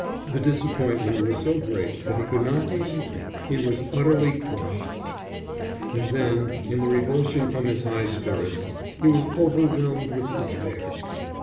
The disappointment was so great that he could not be angry. He was utterly crushed. And then, in the revulsion from his high spirits, he was overwhelmed with despair.